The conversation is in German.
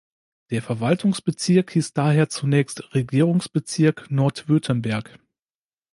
Der Verwaltungsbezirk hieß daher zunächst Regierungsbezirk Nordwürttemberg.